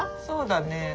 そうだね。